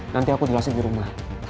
nanti aku jelasin di rumah